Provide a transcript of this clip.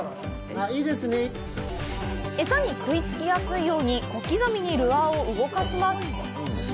餌に食いつきやすいように小刻みにルアーを動かします。